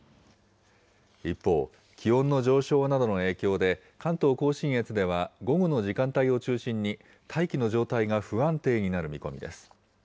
一方、気温の上昇などの影響で、関東甲信越では午後の時間帯を中心に、大気の状態が不安定になる見込みです。